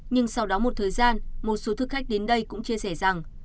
nhưng sau đó một thời gian một số thực khách đến đây cũng chia sẻ rằng